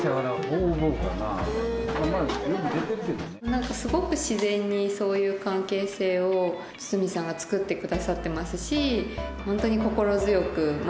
何かすごく自然にそういう関係性を堤さんがつくってくださってますし。